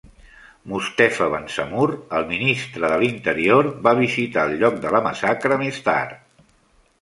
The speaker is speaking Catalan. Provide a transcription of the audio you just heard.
Mostefa Bensamour, el ministre de l'Interior, va visitar el lloc de la massacre més tard.